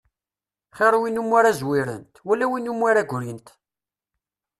Xir win umi ara zwirent, wala win umi ara ggrint.